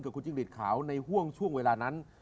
คุณจิ้งหลีดขาวในห่วงช่วงเวลานั้น